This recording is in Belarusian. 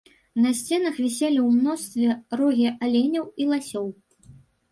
На сценах віселі ў мностве рогі аленяў і ласёў.